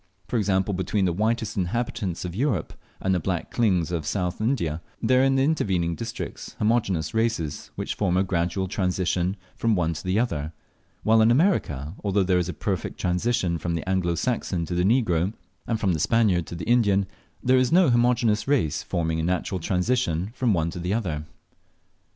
For example, between the whitest inhabitants of Europe and the black Klings of South India, there are in the intervening districts homogeneous races which form a gradual transition from one to the other; while in America, although there is a perfect transition from the Anglo Saxon to the negro, and from the Spaniard to the Indian, there is no homogeneous race forming a natural transition from one to the other.